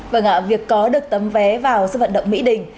vâng ạ việc có được tấm vé vào sân vận động mỹ đình